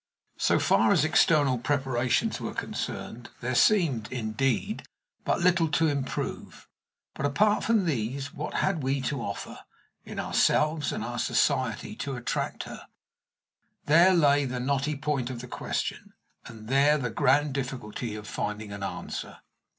So far as external preparations were concerned, there seemed, indeed, but little to improve; but apart from these, what had we to offer, in ourselves and our society, to attract her? There lay the knotty point of the question, and there the grand difficulty of finding an answer.